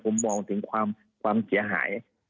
ผมมองถึงความเสียหาย